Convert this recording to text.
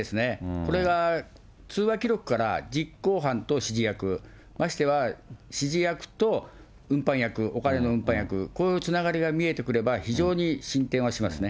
これが通話記録から実行犯と指示役、ましてや指示役と運搬役、お金の運搬役、こういうつながりが見えてくれば、非常に進展はしますね。